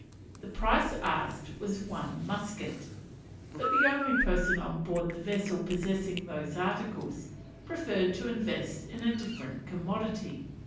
The price asked was one musket; but the only person on board the vessel possessing those articles, preferred to invest in a different commodity.